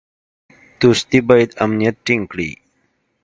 دوستي باید امنیت ټینګ کړي.